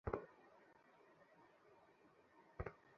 কার্তবীর্যার্জুনের পর হইতে বিজয়গড়ে এমন বন্দী আর মেলে নাই।